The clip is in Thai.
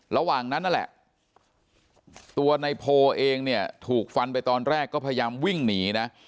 ระหว่างนั้นนั่นแหละตัวในโพเองเนี่ยถูกฟันไปตอนแรกก็พยายามวิ่งหนีนะ